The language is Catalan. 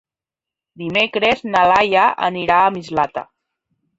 Dimecres na Laia anirà a Mislata.